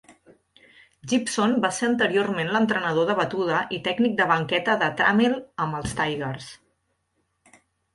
Gibson va ser anteriorment l'entrenador de batuda i tècnic de banqueta de Trammell amb els Tigers.